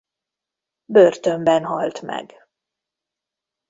Börtönben halt meg.